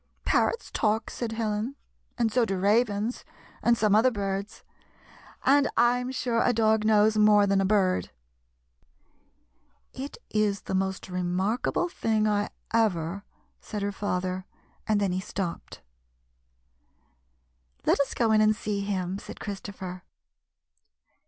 " Parrots talk," said Helen, "and so do ravens, and some other birds ; and I 'm sure a dog knows more than a bird." " It is the most remarkable thing I ever —" said her father, and then he stopj^ed. " Let us go in and see him," said Christopher.